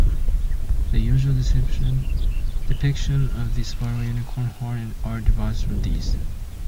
The usual depiction of the spiral unicorn horn in art, derives from these.